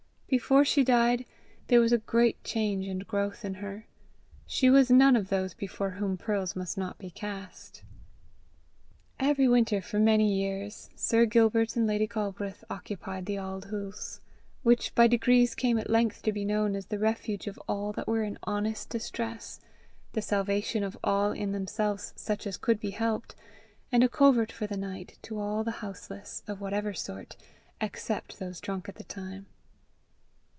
Before she died, there was a great change and growth in her: she was none of those before whom pearls must not be cast. Every winter, for many years, Sir Gilbert and Lady Galbraith occupied the Auld Hoose; which by degrees came at length to be known as the refuge of all that were in honest distress, the salvation of all in themselves such as could be helped, and a covert for the night to all the houseless, of whatever sort, except those drunk at the time.